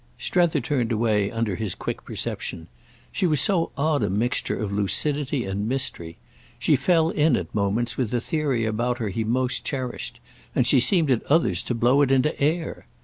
Strether turned away under his quick perception; she was so odd a mixture of lucidity and mystery. She fell in at moments with the theory about her he most cherished, and she seemed at others to blow it into air.